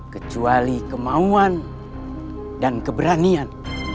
kecuali kemauan dan keberanian